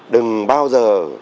đừng bao giờ